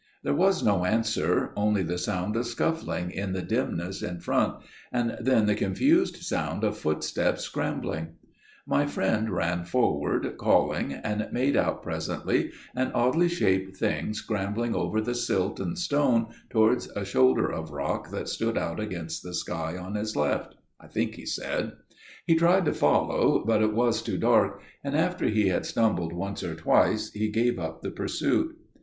There was no answer, only the sound of scuffling in the dimness in front, and then the confused sound of footsteps scrambling: my friend ran forward, calling, and made out presently an oddly shaped thing scrambling over the silt and stone towards a shoulder of rock that stood out against the sky on his left (I think he said). He tried to follow, but it was too dark, and after he had stumbled once or twice, he gave up the pursuit.